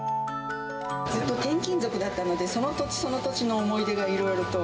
ずっと転勤族だったので、その土地その土地の思い出がいろいろと。